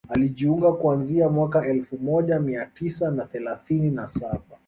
alijiunga kuanzia mwaka elfu moja mia tisa na thelathini na saba